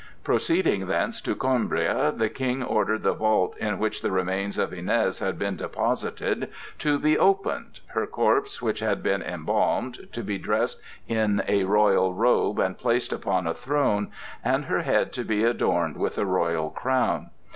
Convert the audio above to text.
Proceeding thence to Coimbra, the King ordered the vault in which the remains of Iñez had been deposited to be opened, her corpse, which had been embalmed, to be dressed in a royal robe and placed upon a throne, and her head to be adorned with a royal crown.